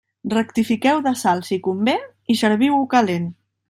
Rectifiqueu de sal si convé i serviu-ho calent.